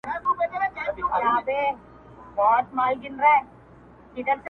چي له مځکي تر اسمانه پاچاهان یو!!